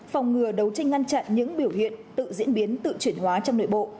phòng ngừa đấu tranh ngăn chặn những biểu hiện tự diễn biến tự chuyển hóa trong nội bộ